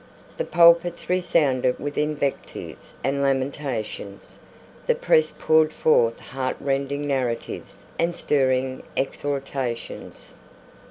The pulpits resounded with invectives and lamentations. The press poured forth heartrending narratives and stirring exhortations.